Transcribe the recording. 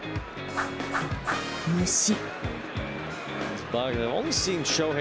虫。